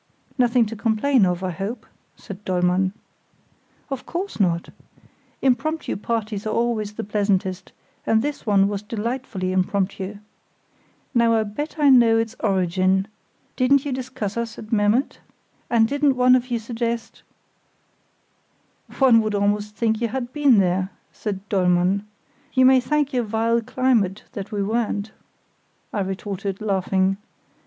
"Nothing to complain of, I hope?" said Dollmann. "Of course not! Impromptu parties are always the pleasantest, and this one was delightfully impromptu. Now I bet you I know its origin! Didn't you discuss us at Memmert? And didn't one of you suggest——? "One would almost think you had been there," said Dollmann. "You may thank your vile climate that we weren't," I retorted, laughing.